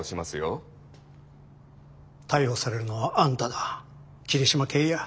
逮捕されるのはあんただ桐島敬也。